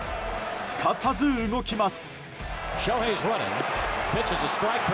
すかさず、動きます。